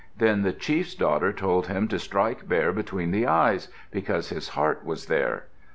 Then the chief's daughter told him to strike Bear between the eyes, because his heart was there.